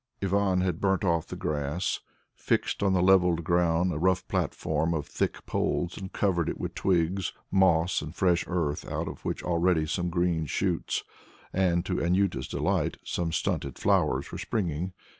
Ivan had burnt off the grass, fixed on the levelled ground a rough platform of thick poles and covered it with twigs, moss and fresh earth out of which already some green shoots, and, to Anjuta's delight, some stunted flowers were springing.